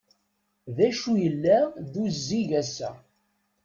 D acu yella d uzzig ass-a?